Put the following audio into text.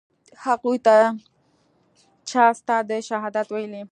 هغوى ته چا ستا د شهادت ويلي.